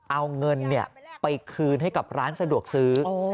เอาเงินไปคืนให้กับร้านสะดวกซื้อ